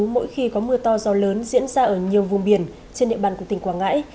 mỗi khi có mưa to gió lớn diễn ra ở nhiều vùng biển trên địa bàn của tỉnh quảng ngãi